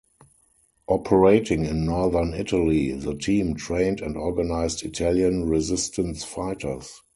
Operating in Northern Italy, the team trained and organized Italian resistance fighters.